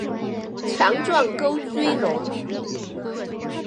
强壮沟椎龙。